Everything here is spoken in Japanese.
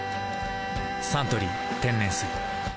「サントリー天然水」